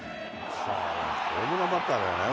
ホームランバッターだよね。